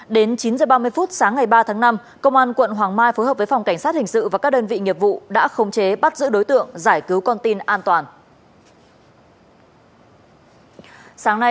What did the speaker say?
đến chín h ba mươi phút sáng ngày ba tháng năm công an quận hoàng mai phối hợp với phòng cảnh sát hình sự và các đơn vị nghiệp vụ đã khống chế bắt giữ đối tượng giải cứu con tin an toàn